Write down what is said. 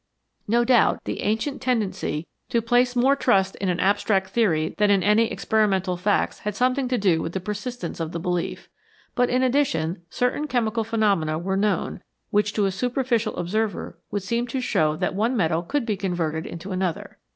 No doubt the ancient tendency to place more 24 THE PHILOSOPHER'S STONE trust in an abstract theory than in any experimental facts had something to do with the persistence of the belief, but in addition certain chemical phenomena were known, which to a superficial observer would seem to show that one metal could be converted into another.